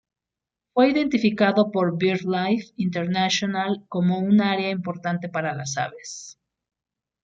Fue identificado por BirdLife International como un Área Importante para las Aves.